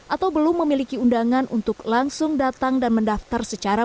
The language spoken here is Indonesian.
atau belum memiliki undangan untuk langsung datang dan dipakai